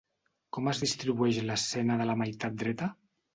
Com es distribueix l'escena de la meitat dreta?